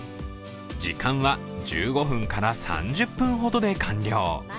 時間は１５分から３０分ほどで完了。